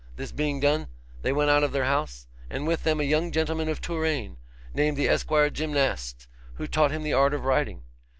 This being done, they went out of their house, and with them a young gentleman of Touraine, named the Esquire Gymnast, who taught him the art of riding.